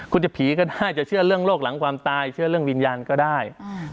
คุณจะผีก็ได้จะเชื่อเรื่องโรคหลังความตายเชื่อเรื่องวิญญาณก็ได้